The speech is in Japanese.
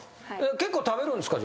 結構食べるんすか？